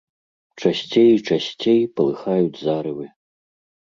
Часцей і часцей палыхаюць зарывы.